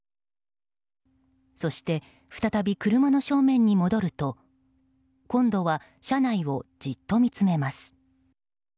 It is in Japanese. そして、再び車の正面に戻ると今度は車内をじっと見つめます。